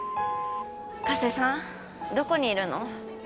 加瀬さんどこにいるの？